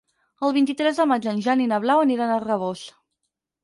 El vint-i-tres de maig en Jan i na Blau aniran a Rabós.